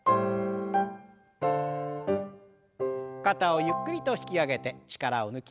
肩をゆっくりと引き上げて力を抜きます。